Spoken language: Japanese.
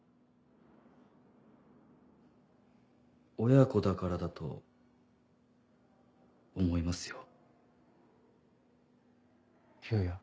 親子だからだと思いますよ。